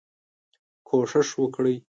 کوشش وکړئ